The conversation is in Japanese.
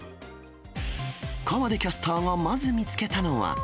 河出キャスターがまず見つけたのは。